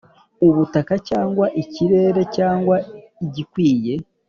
ubutaka, cyangwa ikirere, cyangwa igikwiye,